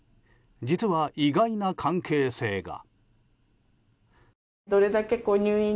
実は、意外な関係性が。